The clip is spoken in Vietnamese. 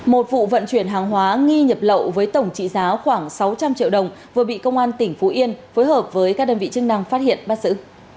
một vụ vận chuyển hàng hóa nghi nhập lậu với tổng trị giá khoảng sáu trăm linh triệu đồng vừa bị công an tỉnh phú yên phối hợp với các đơn vị chức năng phát hiện bắt giữ